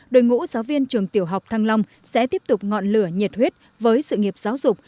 đội ngũ giáo viên trường tiểu học thăng long sẽ tiếp tục ngọn lửa nhiệt huyết với sự nghiệp giáo dục